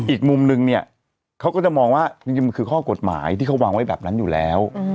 อีกมุมนึงเนี่ยเขาก็จะมองว่าจริงมันคือข้อกฎหมายที่เขาวางไว้แบบนั้นอยู่แล้ว